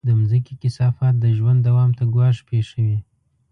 د مځکې کثافات د ژوند دوام ته ګواښ پېښوي.